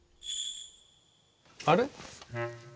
あれ？